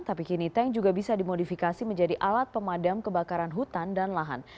tapi kini tank juga bisa dimodifikasi menjadi alat pemadam kebakaran hutan dan lahan